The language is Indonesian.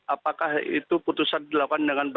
apakah itu putusan dilakukan dengan baik